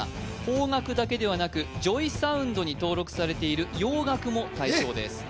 邦楽だけではなくＪＯＹＳＯＵＮＤに登録されている洋楽も対象です